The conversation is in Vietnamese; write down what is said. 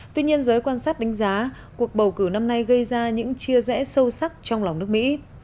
tuy nhiên giới quan sát đánh giá cuộc bầu cử năm nay gây ra những chia rẽ sâu sắc trong lòng nước mỹ